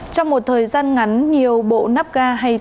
trong một thời gian ngắn nhiều bộ nắp ga hay tấm lưới chấm rác